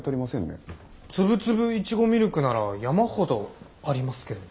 つぶつぶいちごミルクなら山ほどありますけどね。